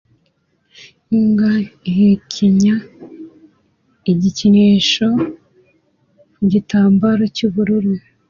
Imbwa ihekenya igikinisho ku gitambaro cy'ubururu